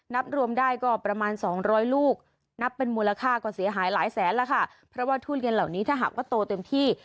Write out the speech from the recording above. นับรวมได้ก็ประมาณสองร้อยลูกนับเป็นมูลค่าก็เสียหายหลายแสนแล้วค่ะเพราะว่าทุเรียนเหล่านี้ถ้าหากว่าโตเต็มที่